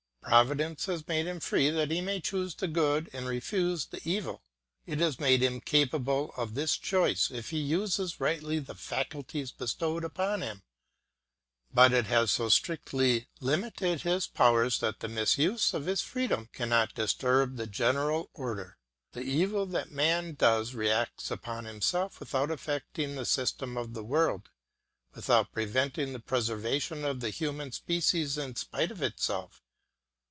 Providence has made him free that he may choose the good and refuse the evil. It has made him capable of this choice if he uses rightly the faculties bestowed upon him, but it has so strictly limited his powers that the misuse of his freedom cannot disturb the general order. The evil that man does reacts upon himself without affecting the system of the world, without preventing the preservation of the human species in spite of itself.